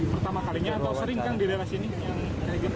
pertama kalinya atau sering kan di daerah sini